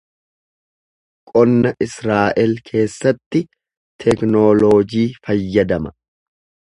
Qonna Israa’el keessatti teknooloojii fayyadama.